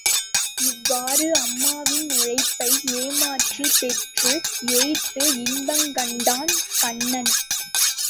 இவ்வாறு அம்மாவின் உழைப்பை ஏமாற்றிப் பெற்று, ஏய்த்து இன்பங்கண்டான் கண்ணன்.